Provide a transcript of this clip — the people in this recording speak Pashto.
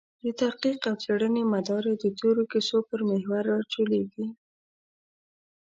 د تحقیق او څېړنې مدار یې د تېرو کیسو پر محور راچورلېږي.